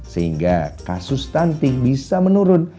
sehingga kasus stunting bisa menurun